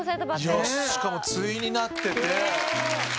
しかも対になってて。